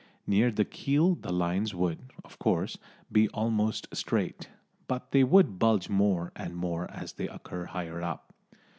Near the keel the lines would, of course, be almost straight, but they would bulge more and more as they occur higher up.